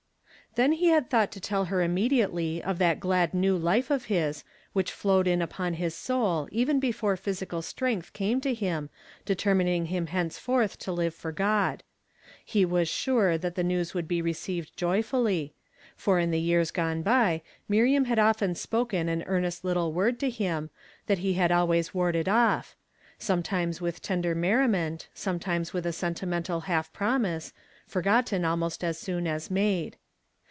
THEN he had thought to tell her immediately of that glad new life of his, which flowed in upon his soul even before physical strength came to him, determining him henceforth to live for God. He was sure that the news would be received joy fully ; for in the years gone by, Miriam had often spoken an earnest little word to him, that he had always warded off ; sometimes with tender merri ment, sometimes with a sentimental half promise, forgotten almost as soon as made.